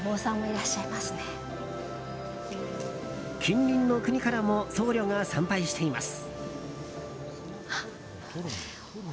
近隣の国からも僧侶が参拝しています。